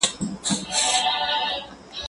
زه د کتابتوننۍ سره مرسته کړې ده،